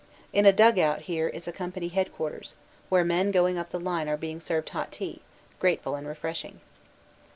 In a dug out here is a Company Headquarters, where men going up the line are being served hot tea, grateful and refreshing.